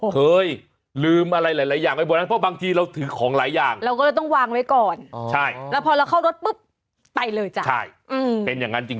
เคยลืมอะไรหลายอย่างไปบนนั้น